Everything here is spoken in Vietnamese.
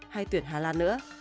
hay tuyển hà lan nữa